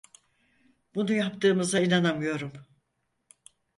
Bunu yaptığımıza inanamıyorum.